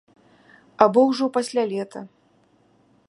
Або ўжо пасля лета.